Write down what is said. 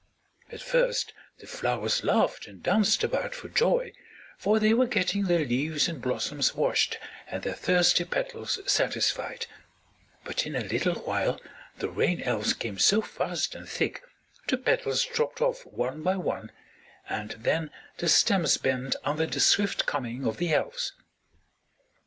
At first the flowers laughed and danced about for joy, for they were getting their leaves and blossoms washed and their thirsty petals satisfied; but in a little while the Rain Elves came so fast and thick the petals dropped off one by one, and then the stems bent under the swift coming of the Elves.